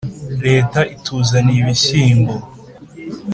leta ituzaniye ibishyimbo